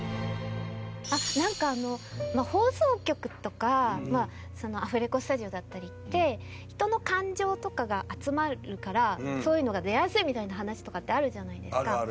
なんか放送局とかアフレコスタジオだったりって人の感情とかが集まるからそういうのが出やすいみたいな話とかってあるじゃないですか。